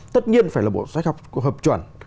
tất nhiên phải là bộ sách học hợp chuẩn